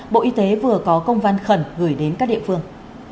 bộ y tế vừa có công văn khẩn gửi đến các địa phương